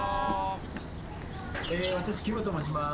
私キムと申します。